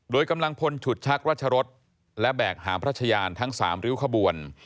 โดยกำลังพลฉุดชักราชรสและแบกหามพระชญาณทั้ง๓ริ้วขบวน